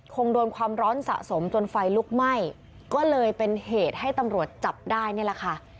คงโดนความร้อนสะสมจนไฟลุกไหม้ก็เลยเป็นเหตุให้ตำรวจจับได้นี่แหละค่ะ